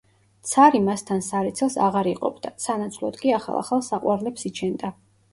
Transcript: ცარი მასთან სარეცელს აღარ იყოფდა, სანაცვლოდ კი ახალ-ახალ საყვარლებს იჩენდა.